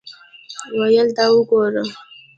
ویل دا وګوره.